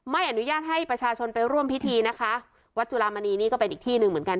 ไม่อนุญาตให้ประชาชนไปร่วมพิธีนะคะวัดจุลามณีนี่ก็เป็นอีกที่หนึ่งเหมือนกัน